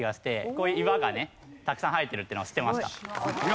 こういう岩がねたくさん生えてるっていうのは知ってました。